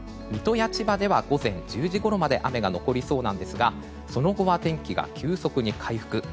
水戸や千葉では午前１０時ごろまで雨が残りそうなんですがその後は天気が急速に回復。